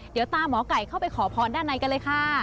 เดี๋ยวตามหมอไก่เข้าไปขอพรด้านในกันเลยค่ะ